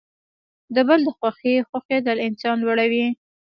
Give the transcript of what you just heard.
د بل د خوښۍ خوښیدل انسان لوړوي.